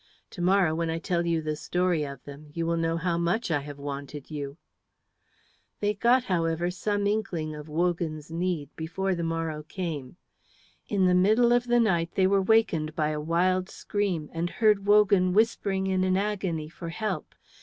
"To morrow when I tell you the story of them you will know how much I have wanted you." They got, however, some inkling of Wogan's need before the morrow came. In the middle of the night they were wakened by a wild scream and heard Wogan whispering in an agony for help.